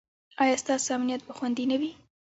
ایا ستاسو امنیت به خوندي نه وي؟